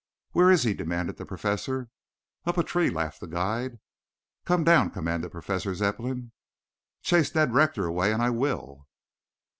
"Where is he?" demanded the Professor. "Up a tree," laughed the guide. "Come down!" commanded Professor Zepplin. "Chase Ned Rector away and I will."